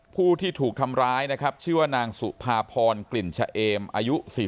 ผู้ที่ถูกทำร้ายนะครับชื่อว่านางสุภาพรกลิ่นชะเอมอายุ๔๐